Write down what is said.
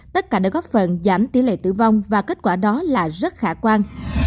tất cả đã góp phần giảm tỷ lệ tử vong và kết quả đó là rất khả quan